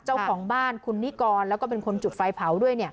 เจ้าของบ้านคุณนิกรแล้วก็เป็นคนจุดไฟเผาด้วย